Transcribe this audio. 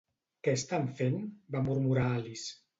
"Què estan fent?', va murmurar Alice.